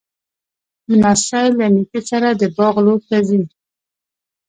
لمسی له نیکه سره د باغ لور ته ځي.